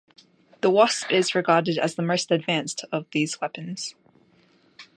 The Wasp is regarded as the most advanced of these weapons.